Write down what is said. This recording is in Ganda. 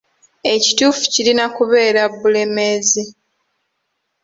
Ekituufu kirina kubeera 'Bulemeezi.'